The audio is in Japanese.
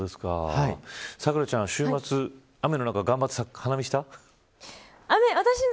咲楽ちゃん、週末雨の中お花見したの。